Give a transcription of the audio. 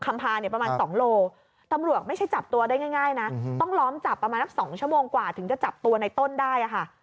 พาเนี่ยประมาณ๒โลตำรวจไม่ใช่จับตัวได้ง่ายนะต้องล้อมจับประมาณสัก๒ชั่วโมงกว่าถึงจะจับตัวในต้นได้ค่ะ